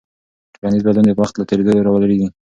ټولنیز بدلون د وخت له تېرېدو راولاړېږي.